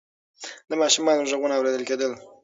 د ماشومانو غږونه اورېدل کېدل.